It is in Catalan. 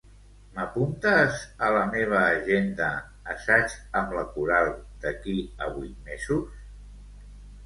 M'apuntes a la meva agenda "assaig amb la coral" d'aquí a vuit mesos?